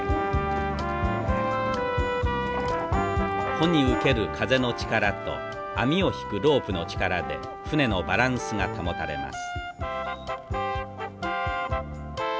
帆に受ける風の力と網を引くロープの力で船のバランスが保たれます。